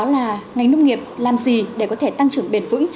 là ngành nông nghiệp làm gì để có thể tăng trưởng bền vững